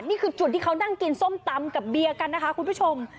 นี่คือจุดที่เขานั่งกินส้มตำกับเบียร์กันนะคะคุณผู้ชม